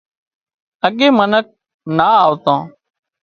اڳي منک نا آوتان